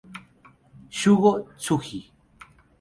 Shugo Tsuji